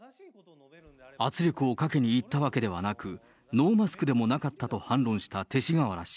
圧力をかけに行ったわけではなく、ノーマスクでもなかったと反論した勅使河原氏。